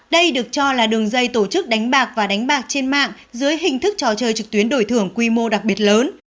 đây được cho là đường dây tổ chức đánh bạc và đánh bạc trên mạng dưới hình thức trò chơi trực tuyến đổi thưởng quy mô đặc biệt lớn